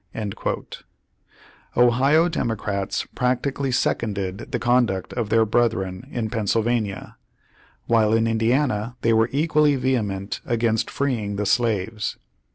^ Ohio Democrats practically seconded the con duct of their brethren in Pennsylvania, while in Indiana they were equally vehement against free ing the slaves.